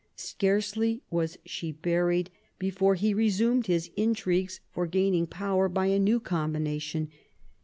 Scarcely was she buried before he resumed his intrigues for gaining power by a new combination.